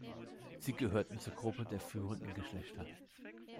Sie gehörten zur Gruppe der führenden Geschlechter.